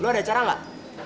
lo ada acara gak